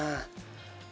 mendingan kita cari